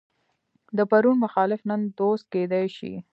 د پرون مخالف نن دوست کېدای شي.